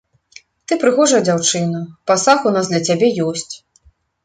Ты прыгожая дзяўчына, пасаг у нас для цябе ёсць.